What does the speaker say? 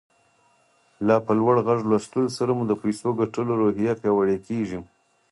له په لوړ غږ لوستلو سره مو د پيسو ګټلو روحيه پياوړې کېږي.